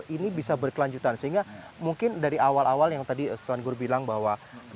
ini bisa berkelanjutan sehingga mungkin dari awal awal yang tadi tuan guru bilang bahwa